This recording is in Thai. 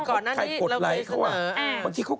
ใครกดไลค์เขาอ่ะ